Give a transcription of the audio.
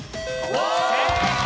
正解！